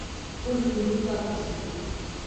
خپل ټولګی پاک وساتئ.